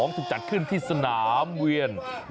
ถูกจัดขึ้นที่สนามเวียน